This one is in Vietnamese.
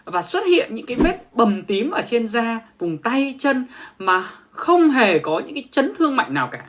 và xuất hiện những vết bầm tím ở trên da vùng tay chân mà không hề có những chấn thương mạnh nào cả